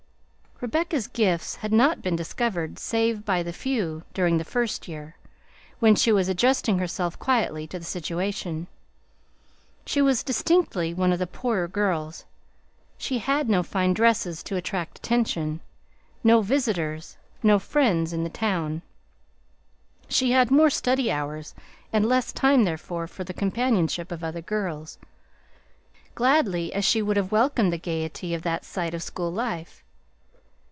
Rebecca's gifts had not been discovered save by the few, during the first year, when she was adjusting herself quietly to the situation. She was distinctly one of the poorer girls; she had no fine dresses to attract attention, no visitors, no friends in the town. She had more study hours, and less time, therefore, for the companionship of other girls, gladly as she would have welcomed the gayety of that side of school life.